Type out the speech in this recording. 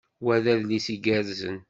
Wa d adlis igerrzen.